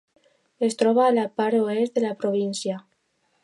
Es troba a la part oest de la província.